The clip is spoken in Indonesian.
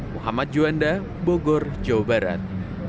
muhammad juanda bogor jawa barat